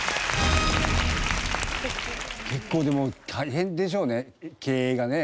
結構でも大変でしょうね経営がね。